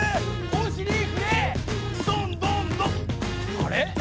あれ？